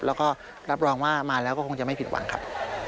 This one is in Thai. แล้วก็รับรองว่ามาแล้วก็คงจะไม่ผิดหวังครับ